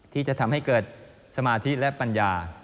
ที่จะทำให้เกิดสมาธิและปัญญา